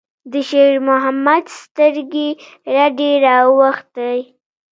د شېرمحمد سترګې رډې راوختې.